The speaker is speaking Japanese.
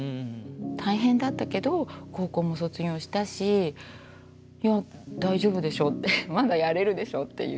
大変だったけど高校も卒業したしいやぁ大丈夫でしょってまだやれるでしょっていう。